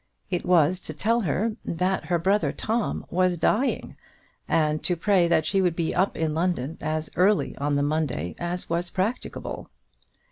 It was to tell her that her brother Tom was dying, and to pray that she would be up in London as early on the Monday as was practicable.